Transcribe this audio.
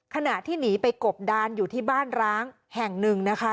ขณะที่หนีไปกบดานอยู่ที่บ้านร้างแห่งหนึ่งนะคะ